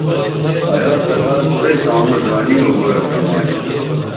ایا تہ ہر کُرئی تانوں زانیں اُگورہ ڇمائین